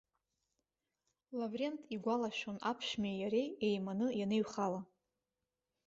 Лаврент игәалашәон аԥшәмеи иареи еиманы ианыҩхала.